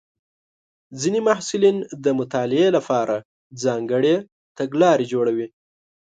ځینې محصلین د مطالعې لپاره ځانګړې تګلارې جوړوي.